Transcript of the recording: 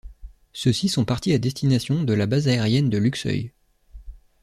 Ceux-ci sont partis à destination de la base aérienne de Luxeuil.